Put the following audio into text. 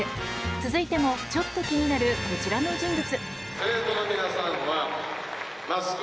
続いてもちょっと気になるこちらの人物。